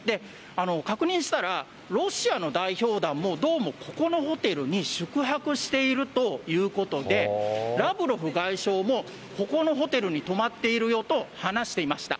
確認したら、ロシアの代表団も、どうもここのホテルに宿泊しているということで、ラブロフ外相もここのホテルに泊まっているよと話していました。